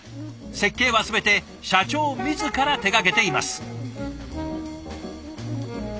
設計は全て社長自ら手がけています。